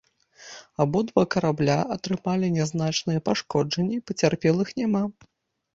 Абодва карабля атрымалі нязначныя пашкоджанні, пацярпелых няма.